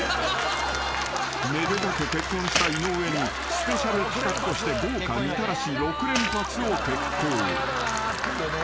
［めでたく結婚した井上にスペシャル企画として豪華みたらし６連発を決行］